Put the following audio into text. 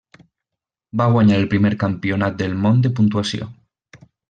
Va guanyar el primer Campionat del món de Puntuació.